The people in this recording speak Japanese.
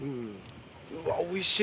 うわっ美味しい！